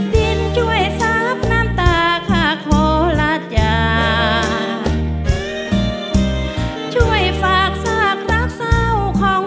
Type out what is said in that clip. ดินช่วยทราบน้ำตาขากหลัดหญิง